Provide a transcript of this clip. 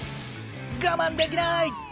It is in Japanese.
我慢できなーい！